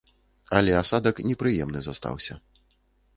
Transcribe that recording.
Але асадак непрыемны застаўся.